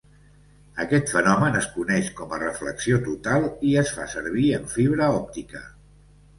Aquest fenomen es coneix com a reflexió total i es fa servir en fibra òptica.